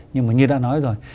nhưng mà như đã nói rồi